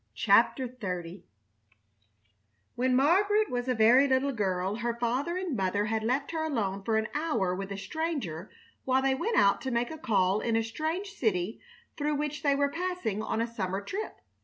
CHAPTER XXX When Margaret was a very little girl her father and mother had left her alone for an hour with a stranger while they went out to make a call in a strange city through which they were passing on a summer trip.